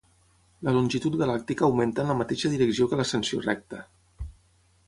La longitud galàctica augmenta en la mateixa direcció que l'ascensió recta.